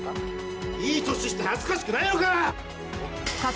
いい年して恥ずかしくないのか？